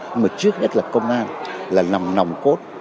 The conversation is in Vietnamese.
nhưng mà trước hết là công an là nòng nòng cốt